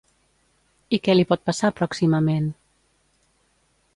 I què li pot passar pròximament?